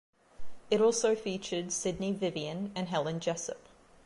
It also featured Sidney Vivian and Helen Jessop.